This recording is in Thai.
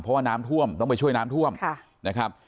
เพราะว่าน้ำท่วมต้องไปช่วยน้ำท่วมนะครับ